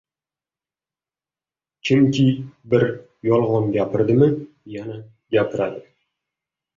Kimki bir yolgon gapirdimi, yana ganiradi.